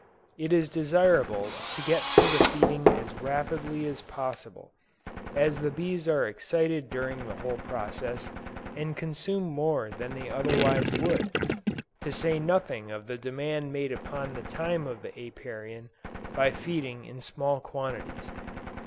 It is desirable to get through the feeding as rapidly as possible, as the bees are excited during the whole process, and consume more than they otherwise would; to say nothing of the demand made upon the time of the Apiarian, by feeding in small quantities.